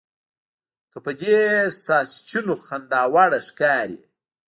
ته په دې ساسچنو خنداوړه ښکارې.